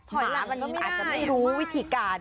ถอยหลังก็ไม่ได้หมาก็ไม่รู้วิธีการ